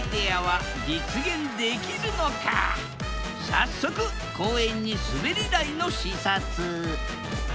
早速公園にすべり台の視察。